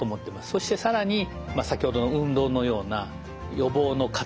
そして更に先ほどの運動のような予防の活動。